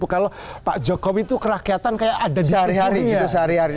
kalau pak jokowi itu kerakyatan kayak ada sehari hari gitu sehari hari